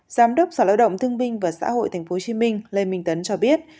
giám đốc sở lao động thương binh và xã hội tp hcm lê minh tấn cho biết